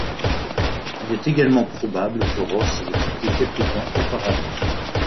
Il est également probable que Ross l'ait quitté quelque temps auparavant.